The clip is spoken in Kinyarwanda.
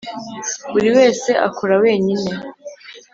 Buri wese akora wenyine